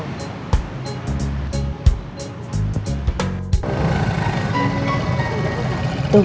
bantuan segera datang